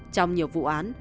trong nhiều vụ án